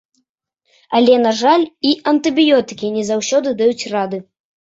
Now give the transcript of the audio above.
Але, на жаль, і антыбіётыкі не заўсёды даюць рады.